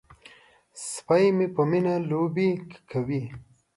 سپی مې په مینه لوبې کوي.